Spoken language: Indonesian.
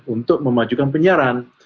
untuk memajukan penyiaran